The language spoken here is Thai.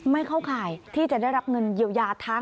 ไม่เข้าข่ายที่จะได้รับเงินเยียวยา